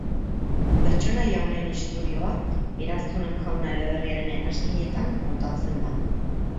Pertsonaia honen istorioa, Eraztunen Jauna eleberriaren eranskinetan kontatzen da.